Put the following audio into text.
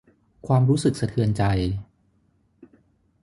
ความรู้สึกสะเทือนใจ